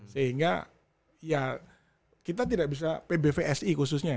sehingga ya kita tidak bisa pbvsi khususnya